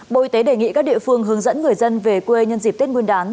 bộ y tế đề nghị các địa phương hướng dẫn người dân về quê nhân dịp tết nguyên đán